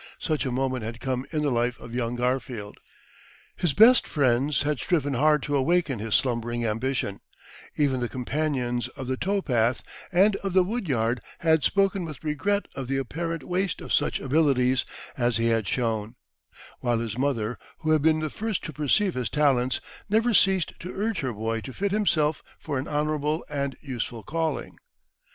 Such a moment had come in the life of young Garfield. His best friends had striven hard to awaken his slumbering ambition; even the companions of the towpath and of the woodyard had spoken with regret of the apparent waste of such abilities as he had shown; while his mother, who had been the first to perceive his talents, never ceased to urge her boy to fit himself for an honourable and useful calling.